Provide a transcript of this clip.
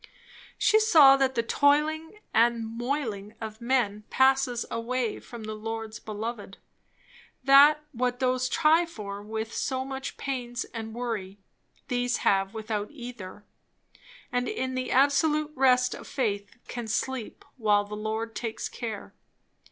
She saw that the toiling and moiling of men passes away from the Lord's beloved; that what those try for with so much pains and worry, these have without either; and in the absolute rest of faith can sleep while the Lord takes care.